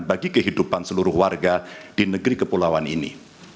bagi kehidupan seluruh warga di negeri kepulauan ini